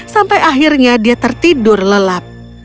sampai akhirnya dia tertidur lelap